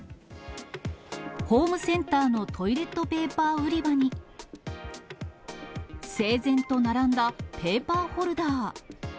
ホームセンターのトイレットペーパー売り場に、整然と並んだペーパーホルダー。